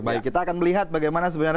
baik kita akan melihat bagaimana sebenarnya